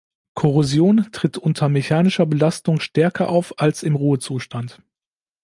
Korrosion tritt unter mechanischer Belastung stärker auf als im Ruhezustand.